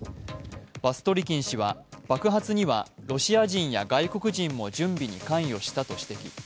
バストリキン氏は爆発にはロシア人や外国人も準備に関与したと指摘。